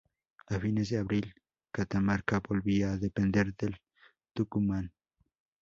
A fines de abril, Catamarca volvía a depender del Tucumán.